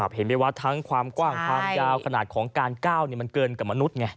ถ้ามบั้มไปว๊าซความกว้างความยาวขนาดของกาวนี้ก็เกินกับมนุษย์ไง